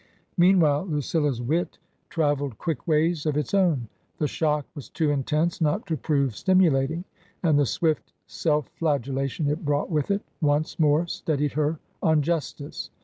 Meanwhile, Lucilla's wit travelled quick ways of its own. The shock was too intense not to prove stimu lating, and the swift self flagellation it brought with it once more steadied her on justice.